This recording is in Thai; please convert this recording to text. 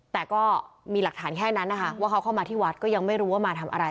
แต่ก็มีหลักฐานแค่นั้นนะคะว่าเขาเข้ามาที่วัดก็ยังไม่รู้ว่ามาทำอะไร